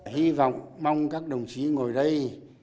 hy vọng mong các đồng chí ngồi đây